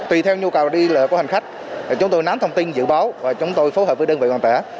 tùy theo nhu cầu đi lỡ của hành khách chúng tôi nắm thông tin dự báo và chúng tôi phù hợp với đơn vị hoàn tả